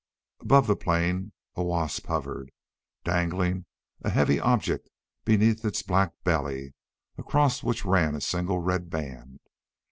Above the plain a wasp hovered, dangling a heavy object beneath its black belly across which ran a single red band.